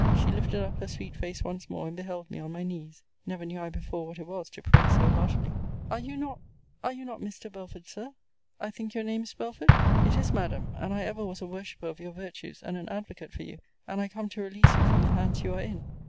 She lifted up her sweet face once more, and beheld me on my knees. Never knew I before what it was to pray so heartily. Are you not are you not Mr. Belford, Sir? I think your name is Belford? It is, Madam, and I ever was a worshipper of your virtues, and an advocate for you; and I come to release you from the hands you are in.